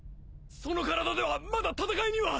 その体ではまだ戦いには。